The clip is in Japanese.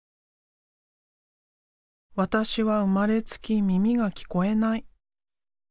「わたしは生まれつき耳が聞こえない。